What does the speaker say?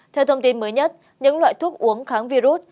theo thông tin mới nhất những loại thuốc uống kháng virus